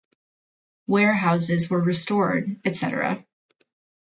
Warehouses were restored etc.